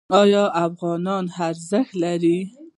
آیا افغانۍ ارزښت لري؟